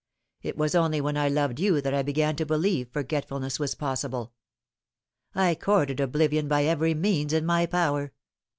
It was only when I loved you that I began to believe f orgetf ulness was possible. I courted oblivion by every means in my power.